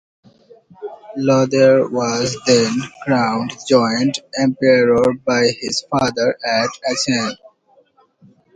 Lothair was then crowned joint emperor by his father at Aachen.